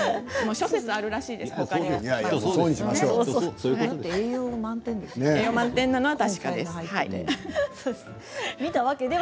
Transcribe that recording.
諸説あるらしいですほかにも。